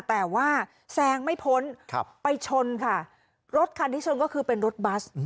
แต่ว่าแซงไม่พ้นไปชนค่ะรถคันที่ชนก็คือเป็นรถบัส